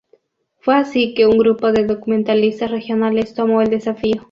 Fue así que un grupo de documentalistas regionales tomó el desafío.